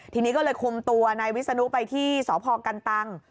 ทีนี้ก็เลยคุมตัวนายวิศนุไปที่สพกันตัง